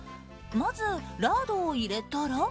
まずラードを入れたら。